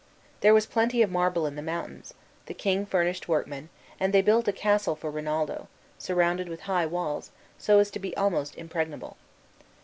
There was plenty of marble in the mountains, the king furnished workmen, and they built a castle for Rinaldo, surrounded with high walls, so as to be almost impregnable.